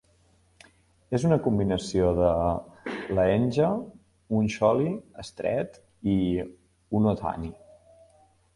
És una combinació de "lehenga", un "choli" estret i un "odhani".